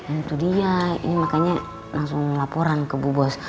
itu dia ini makannya langsung laporan ke bu bos